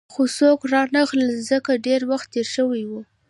خو څوک رانغلل، ځکه ډېر وخت تېر شوی وو.